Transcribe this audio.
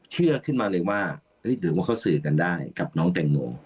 เชื่อขึ้นมาเลยว่าหรือว่าเขาสื่อกันได้กับน้องแตงโม